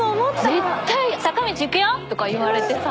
絶対坂道行くよ！とか言われてさ。